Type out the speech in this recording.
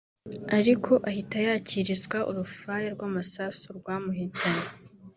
ariko ahita yakirizwa urufaya rw’amasasu rwamuhitanye